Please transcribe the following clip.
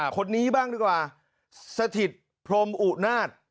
คนนี้บ้างดีกว่าสถิตพรมอุนาศ